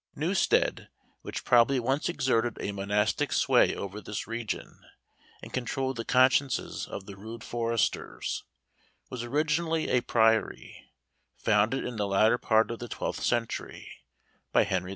Newstead, which probably once exerted a monastic sway over this region, and controlled the consciences of the rude foresters, was originally a priory, founded in the latter part of the twelfth century, by Henry II.